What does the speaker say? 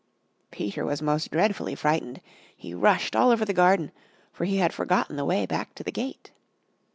Peter was most dreadfully frightened; he rushed all over the garden, for he had forgotten the way back to the gate.